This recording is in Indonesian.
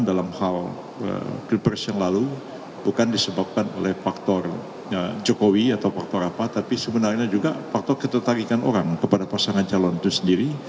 dalam hal pilpres yang lalu bukan disebabkan oleh faktor jokowi atau faktor apa tapi sebenarnya juga faktor ketertarikan orang kepada pasangan calon itu sendiri